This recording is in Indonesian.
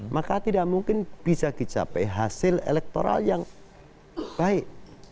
maka tidak mungkin bisa dicapai hasil elektoral yang baik